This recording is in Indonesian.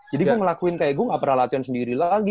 jadi gue ngelakuin kayak gue gak pernah latihan sendiri lagi